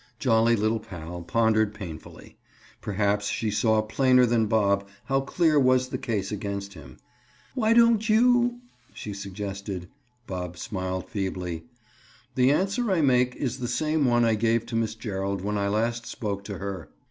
Jolly little pal pondered painfully. Perhaps she saw plainer than Bob how clear was the case against him. "Why don't you?" she suggested. Bob smiled feebly. "The answer I make is the same one I gave to Miss Gerald when I last spoke to her."